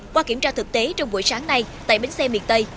qua kiểm tra thực tế trong buổi sáng nay tại bến xe miền tây